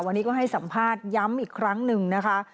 วันนี้ก็ให้สัมภาษณ์ย้ำอีกครั้งหนึ่งนะคะ